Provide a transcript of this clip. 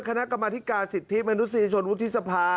คณะกรรมธิการสิทธิมนุษยชนวุฒิสภา